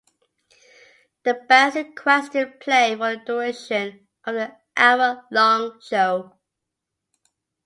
The bands in question play for the duration of the hour-long show.